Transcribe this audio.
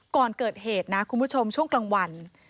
ก่อนเกิดเหตุนะคุณผู้ชมช่วงกลางวัน